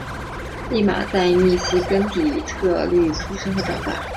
俪玛在密西根州底特律出生和长大。